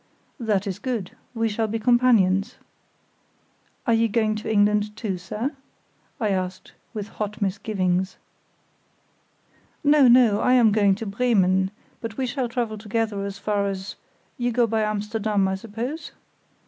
"That is good. We shall be companions." "Are you going to England, too, sir?" I asked, with hot misgivings. "No, no! I am going to Bremen; but we shall travel together as far as—you go by Amsterdam, I suppose?